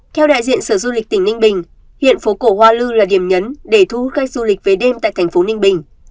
theo đại diện sở du lịch tỉnh ninh bình hiện phố cổ hoa lư là điểm nhấn để thu hút cách du lịch về đêm tại thành phố ninh bình